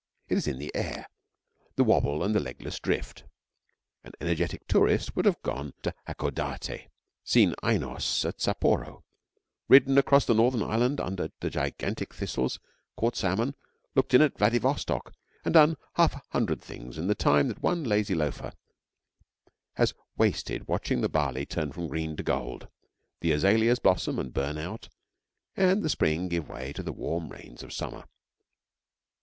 It is in the air the wobble and the legless drift An energetic tourist would have gone to Hakodate, seen Ainos at Sapporo, ridden across the northern island under the gigantic thistles, caught salmon, looked in at Vladivostock, and done half a hundred things in the time that one lazy loafer has wasted watching the barley turn from green to gold, the azaleas blossom and burn out, and the spring give way to the warm rains of summer.